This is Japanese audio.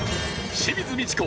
清水ミチコ